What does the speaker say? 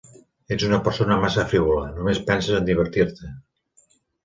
Ets una persona massa frívola, només penses a divertir-te.